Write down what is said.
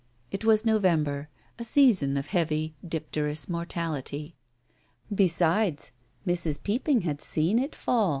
It was November, a season of heavy dipter ous mortality. Besides, Mrs. Peopping had seen it faU.